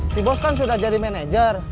si bos kan sudah jadi manajer